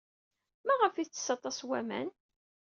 Maɣef ay yettess aṭas n waman?